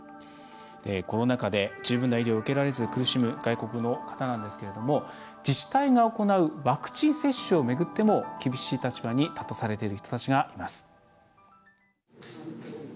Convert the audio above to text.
コロナ禍で十分な医療を受けられず苦しむ外国の方なんですけれども自治体が行うワクチン接種を巡っても厳しい立場に立たされている人たちがいます。